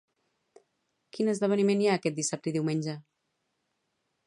Quin esdeveniment hi ha aquest dissabte i diumenge?